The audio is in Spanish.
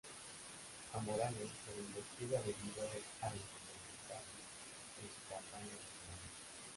A Morales se le investiga debido a irregularidades en su campaña electoral.